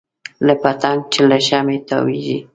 لکه پتنګ چې له شمعې تاویږي.